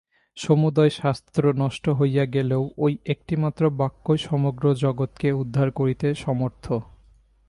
সমুদয় শাস্ত্র নষ্ট হইয়া গেলেও ঐ একটিমাত্র বাক্যই সমগ্র জগৎকে উদ্ধার করিতে সমর্থ।